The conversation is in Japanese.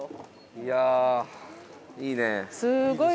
いやいいね。